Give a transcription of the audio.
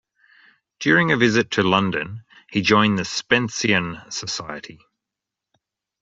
During a visit to London he joined the Spencean Society.